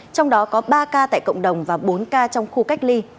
trong đó có ba ca tại cộng đồng và bốn ca trong khu cách ly